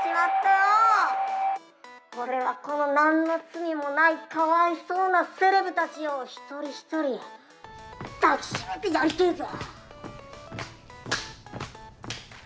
俺はこの何の罪もないかわいそうなセレブ達をひとりひとり抱き締めてやりてぇぞ！